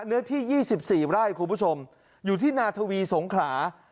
เนื้อที่๒๔ไร่คุณผู้ชมอยู่ที่นาทวีสงขลา